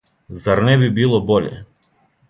Зар не би било боље?